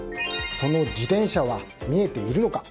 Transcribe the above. その自転車は見えているのか。